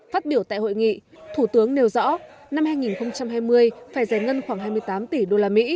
phát biểu tại hội nghị thủ tướng nêu rõ năm hai nghìn hai mươi phải giải ngân khoảng hai mươi tám tỷ usd